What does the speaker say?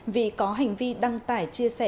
vì có hành vi đăng tải chia sẻ